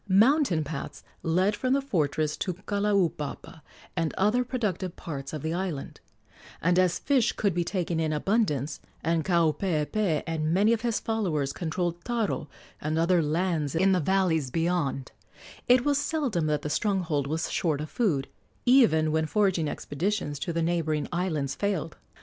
Mountain paths led from the fortress to Kalaupapa and other productive parts of the island; and as fish could be taken in abundance, and Kaupeepee and many of his followers controlled taro and other lands in the valleys beyond, it was seldom that the stronghold was short of food, even when foraging expeditions to the neighboring islands failed.